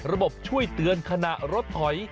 ช่วยเตือนขณะรถถอย